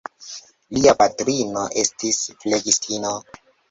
Lia patrino estis flegistino.